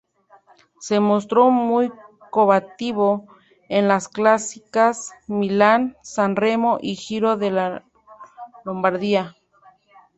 Se mostró muy combativo en las clásicas Milán-San Remo y Giro de Lombardía.